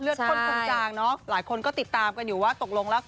ข้นคนจางเนอะหลายคนก็ติดตามกันอยู่ว่าตกลงแล้ว